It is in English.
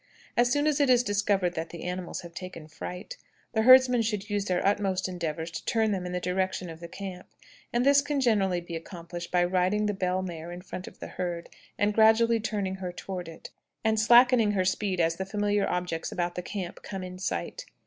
As soon as it is discovered that the animals have taken fright, the herdsmen should use their utmost endeavors to turn them in the direction of the camp, and this can generally be accomplished by riding the bell mare in front of the herd, and gradually turning her toward it, and slackening her speed as the familiar objects about the camp come in sight.